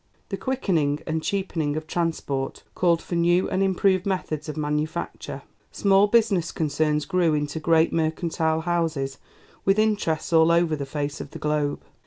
The quickening and cheapening of transport called for new and improved methods of manufacture; small business concerns grew into great mercantile houses with interests all over the face of the globe.